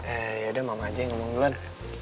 eh yaudah mama aja yang ngomong duluan